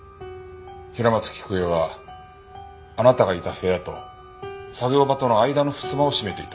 平松喜久恵はあなたがいた部屋と作業場との間の襖を閉めていた。